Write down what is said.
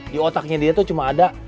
di otaknya dia tuh cuma ada